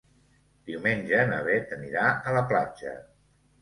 Diumenge na Bet anirà a la platja.